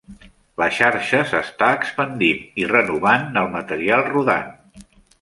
La xarxa s'està expandint i renovant el material rodant.